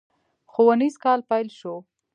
ښوونيز کال پيل شو.